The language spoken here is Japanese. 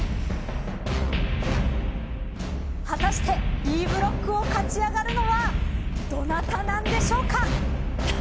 果たしてＢブロックを勝ち上がるのはどなたなんでしょうか。